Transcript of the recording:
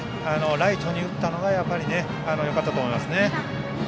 ライトに打ったのがよかったと思いますね。